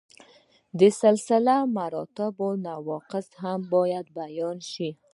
د سلسله مراتبو نواقص هم باید بیان شي.